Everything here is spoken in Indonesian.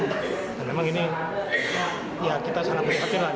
dan memang ini ya kita sangat berpikir